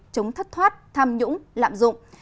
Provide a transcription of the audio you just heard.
chống thất thoát tham nhũng lạm dụng